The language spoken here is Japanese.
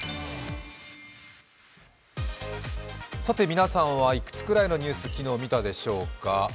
皆さんはいくつくらいのニュースを昨日、見たでしょうか。